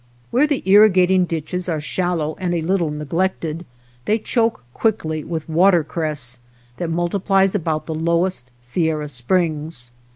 Where the irrigating ditches are shallow and a little neglected, they choke quickly with watercress that multiplies about the i lowest Sierra springs.